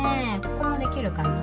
ここもできるかな？